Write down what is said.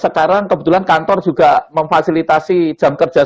sekarang kebetulan kantor juga memfasilitasi jam enam berangkat